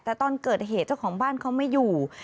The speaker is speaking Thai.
แต่ตอนเกิดเหตุเจ้าของบ้านเขาไม่อยู่